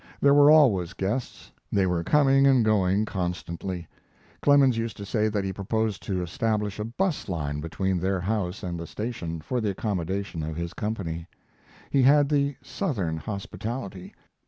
There were always guests; they were coming and going constantly. Clemens used to say that he proposed to establish a bus line between their house and the station for the accommodation of his company. He had the Southern hospitality.